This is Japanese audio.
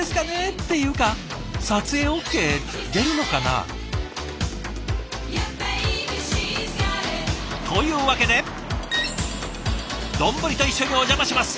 っていうか撮影ＯＫ出るのかな？というわけで丼と一緒にお邪魔します！